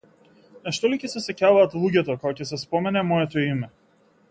На што ли ќе се сеќаваат луѓето, кога ќе се спомене моето име?